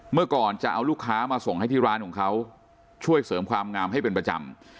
เมื่อก่อนจะเอาลูกค้ามาส่งให้ที่ร้านของเขาช่วยเสริมความงามให้เป็นประจำ